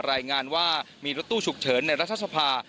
รายงานว่ามีรถตู้ฉุกเฉินในรัฐสภา